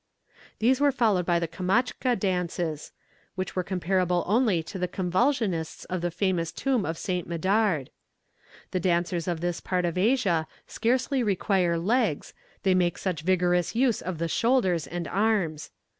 These were followed by Kamtchatka dances, which were comparable only to the convulsionists of the famous tomb of Saint Médard. The dancers of this part of Asia scarcely require legs, they make such vigorous use of the shoulders and arms.